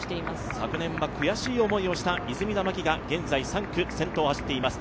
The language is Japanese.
昨年は悔しい思いをした出水田眞紀が先頭を走っています。